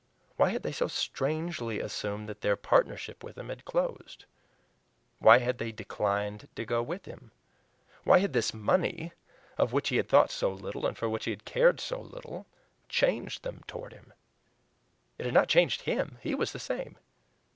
Why had they so strangely assumed that their partnership with him had closed? Why had they declined to go with him? Why had this money of which he had thought so little, and for which he had cared so little changed them toward him? It had not changed HIM HE was the same!